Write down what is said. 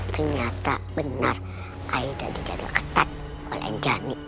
ternyata benar aida di jadwal ketat oleh jani